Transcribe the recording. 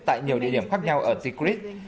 tại nhiều địa điểm khác nhau ở tigrit